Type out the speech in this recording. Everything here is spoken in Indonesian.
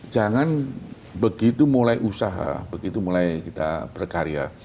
jangan begitu mulai usaha begitu mulai kita berkarya